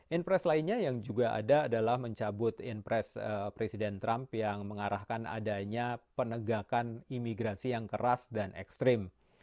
impress lainnya yang juga ada adalah mencabut impres presiden trump yang mengarahkan adanya penegakan imigrasi yang keras dan ekstrim